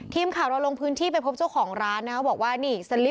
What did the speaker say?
ทีมข่าวเราลงพื้นที่ไปพบเจ้าของร้านนะครับบอกว่านี่สลิป